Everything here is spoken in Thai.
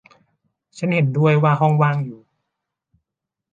ฉันเห็นด้วยว่าห้องว่างอยู่